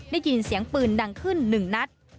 ได้ยินเสียงปืนดังขึ้น๑นัด